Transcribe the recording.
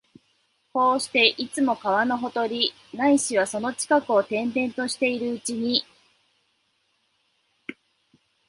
こうして、いつも川のほとり、ないしはその近くを転々としているうちに、